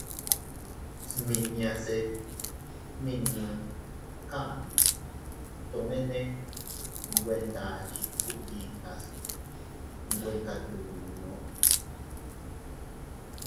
Smiñase nmiñon kaʼanu tomene nwe ndachi kub yitas nwe katunno.